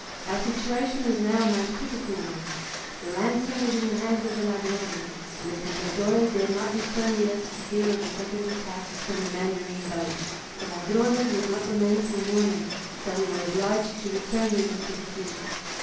Our situation was now a most critical one; the ransom was in the hands of the Ladrones, and the Compradore dare not return with us for fear of a second attack from the mandarine boat. The Ladrones would not remain 'till morning, so we were obliged to return with them to the fleet.